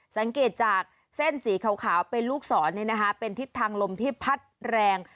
สังเกตจากเส้นสีขาวเป็นลูกศรเป็นทิศทางลมที่พัดแรง